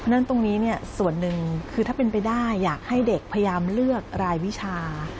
นั่นตรงนี้ส่วนหนึ่งคือถ้าเป็นไปได้อยากให้เด็กพยายามเลือกรายวิชา